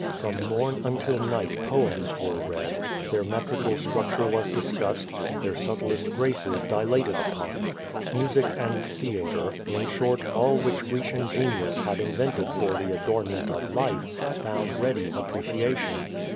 From m«)rn until night poems were read, their metrical structure was discussed, their subtlest graces dilated upon, ^fusic and the theatre — in short, all which (irorian genius had invented for the adornment of life, found ready appreciation.